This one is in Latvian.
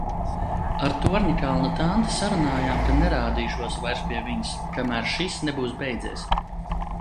Ar Torņakalna tanti sarunājām, ka nerādīšos vairs pie viņas, kamēr šis nebūs beidzies.